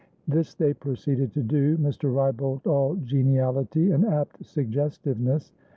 This they proceeded to do, Mr. Wrybolt all geniality and apt suggestiveness.